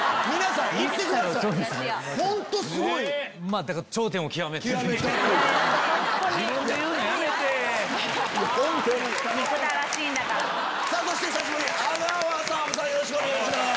よろしくお願いします。